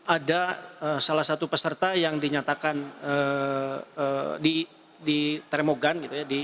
ada salah satu peserta yang dinyatakan di termogan